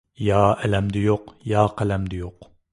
يا ئەلەمدە يوق، يا قەلەمدە يوق.